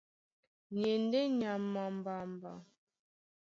Ni e ndé nyama a mbamba.